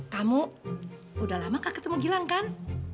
kamu udah lama gak ketemu hilang kan